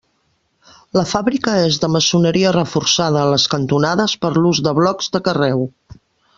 La fàbrica és de maçoneria reforçada en les cantonades per l'ús de blocs de carreu.